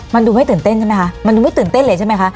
มันดูไม่ตื่นเต้นเลยใช่ไหมคะ